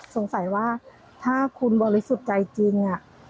สงสัยว่าถ้าคุณบริสุทธิ์ใจจริง